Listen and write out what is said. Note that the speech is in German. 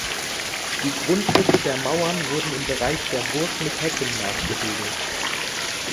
Die Grundrisse der Mauern wurden im Bereich der Burg mit Hecken nachgebildet.